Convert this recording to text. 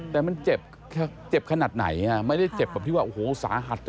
แต่มันเจ็บขนาดไหนไม่ได้เจ็บแบบที่ว่าสาหัส